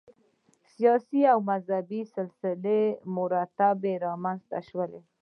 سیاسي او مذهبي سلسله مراتب رامنځته شول.